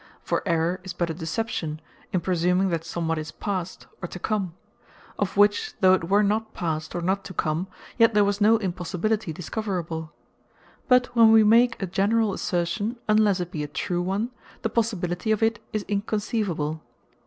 For Error is but a deception, in presuming that somewhat is past, or to come; of which, though it were not past, or not to come; yet there was no impossibility discoverable. But when we make a generall assertion, unlesse it be a true one, the possibility of it is unconceivable.